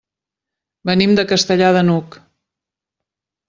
Venim de Castellar de n'Hug.